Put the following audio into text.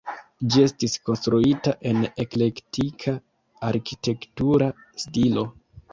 Ĝi estis konstruita en eklektika arkitektura stilo.